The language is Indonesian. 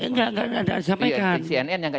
enggak enggak disampaikan cnn yang gak